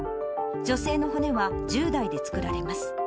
女性の骨は１０代で作られます。